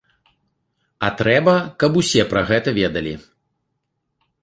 А трэба, каб усе пра гэта ведалі.